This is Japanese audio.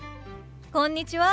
こんにちは。